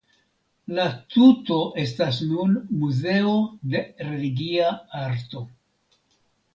La tuto estas nun Muzeo de Religia Arto.